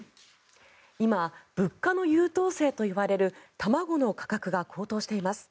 今物価の優等生といわれる卵の価格が高騰しています。